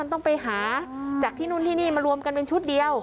ต้องไปหาจากที่นู่นที่นี่มารวมกันเป็นชุดเดียว